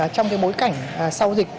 trong bối cảnh sau dịch